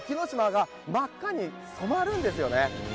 島が真っ赤に染まるんですよね。